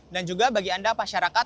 dan juga bagi anda pasyarakat